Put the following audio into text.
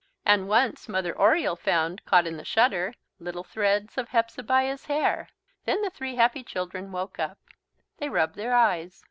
And once Mother Oriole found, caught in the shutter, little threads of Hepzebiah's hair. Then the three happy children woke up. They rubbed their eyes.